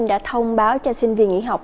đã thông báo cho sinh viên nghỉ học